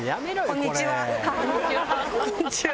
こんにちは。